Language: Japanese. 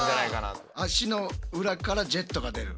足の裏からジェットが出る。